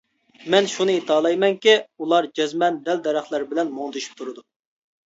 مەن شۇنى ئېيتالايمەنكى، ئۇلار جەزمەن دەل-دەرەخلەر بىلەن مۇڭدىشىپ تۇرىدۇ.